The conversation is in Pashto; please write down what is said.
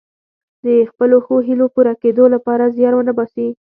د خپلو ښو هیلو پوره کیدو لپاره زیار ونه باسي.